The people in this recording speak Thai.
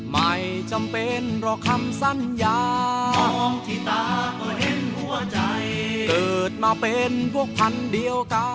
ไม่จำเป็นหรอกคำสัญญาที่ตาก็เห็นหัวใจเกิดมาเป็นพวกพันธุ์เดียวกัน